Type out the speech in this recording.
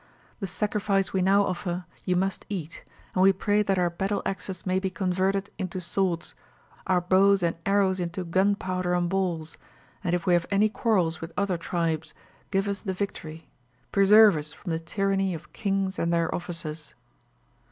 The sacrifice we now offer you must eat, and we pray that our battle axes may be converted into swords, our bows and arrows into gunpowder and balls; and, if we have any quarrels with other tribes, give us the victory. Preserve us from the tyranny of kings and their officers.'